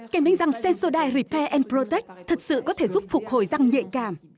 kèm đánh răng sensodyne repair protect thực sự có thể giúp phục hồi răng nhạy cảm